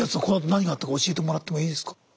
このあと何があったか教えてもらってもいいですか。